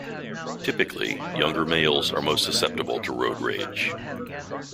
Typically, younger males are most susceptible to road rage.